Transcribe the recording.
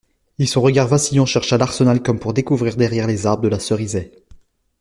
Et son regard vacillant chercha l'Arsenal comme pour découvrir derrière les arbres de la Cerisaie.